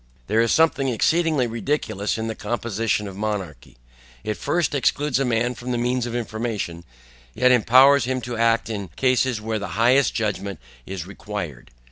There is something exceedingly ridiculous in the composition of monarchy; it first excludes a man from the means of information, yet empowers him to act in cases where the highest judgment is required.